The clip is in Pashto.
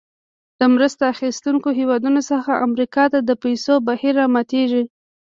د مرسته اخیستونکو هېوادونو څخه امریکا ته د پیسو بهیر راماتیږي.